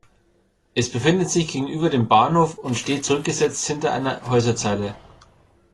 Es befindet sich gegenüber dem Bahnhof und steht zurückgesetzt hinter einer Häuserzeile.